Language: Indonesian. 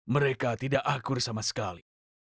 mereka tidak akur sama sekali